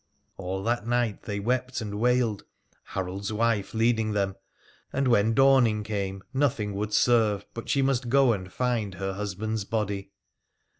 All that night they wept and wailed, Harold's wife leading them, and when dawning came nothing would serve but she must go and find her husband's body.